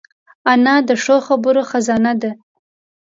انا د ښو خبرو خزانه ده